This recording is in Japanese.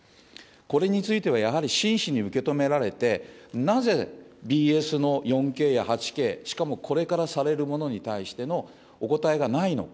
これについてはやはり真摯に受け止められて、なぜ、ＢＳの４Ｋや８Ｋ、しかも、これからされるものに対してのお答えがないのか。